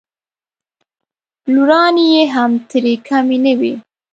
لورانې یې هم ترې کمې نه وې.